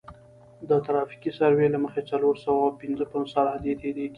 د ترافیکي سروې له مخې څلور سوه پنځوس عرادې تیریږي